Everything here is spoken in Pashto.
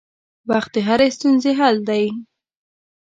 وخت د هرې ستونزې حل دی.